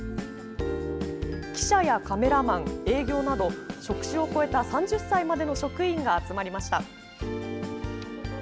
記者やカメラマン、営業など職種を超えた３０歳までの職員が集まりました。